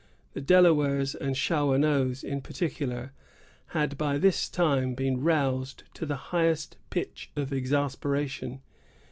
The Delawares and Shawanoes, in particular, had by this time been roused to the highest pitch of exasperation.